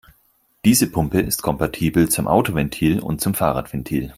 Diese Pumpe ist kompatibel zum Autoventil und zum Fahrradventil.